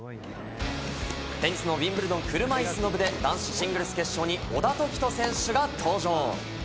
テニスのウィンブルドン車いすの部で男子シングルス決勝に小田凱人選手が登場。